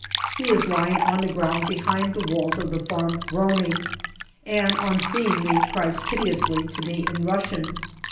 He is lying on the ground behind the walls of the farm groaning, and on seeing me cries piteously to me in Russian.